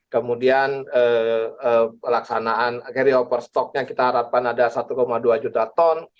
kemudian pelaksanaan carry over stoknya kita harapkan ada satu dua juta ton